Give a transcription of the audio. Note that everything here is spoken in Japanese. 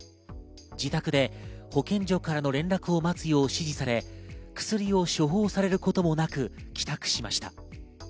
自宅で保健所からの連絡を待つよう指示され、薬を処方されることもなく帰宅しました。